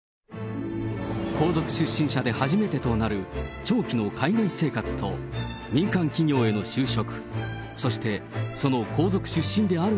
皇族出身者で初めてとなる長期の海外生活と、民間企業への就職。